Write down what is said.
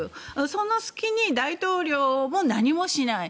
その隙に大統領も何もしない。